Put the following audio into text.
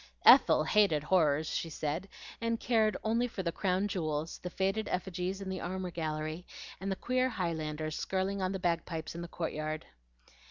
Ethel "hated horrors," she said, and cared only for the crown jewels, the faded effigies in the armor gallery, and the queer Highlanders skirling on the bagpipes in the courtyard.